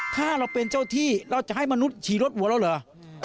ถ้าเราเป็นเจ้าที่เราจะให้มนุษย์ฉี่รถหัวเราเหรอ